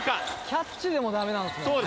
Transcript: キャッチでもダメなんですもんね。